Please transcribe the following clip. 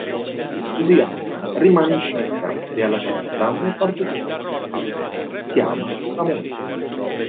Così Anna rimane incinta, e alla fine dell'anno partorisce un figlio, che chiama Samuele.